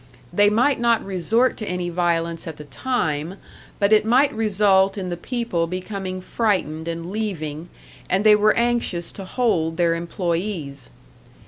They might not resort to any violence at the time, but it might result in the people becoming frightened and leaving, and they were anxious to hold their employés.